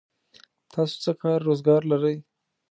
تاسو څه کار روزګار لرئ؟